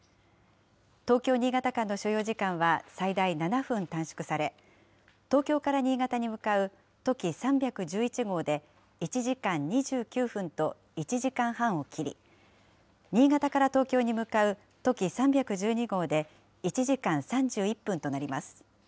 東京・新潟間の所要時間は最大７分短縮され、東京から新潟に向かう、とき３１１号で１時間２９分と１時間半を切り、新潟から東京に向かうとき３１２号で１時間３１分となります。